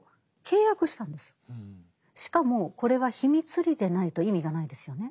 しかもこれは秘密裏でないと意味がないですよね。